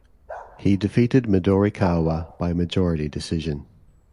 He defeated Midorikawa by majority decision.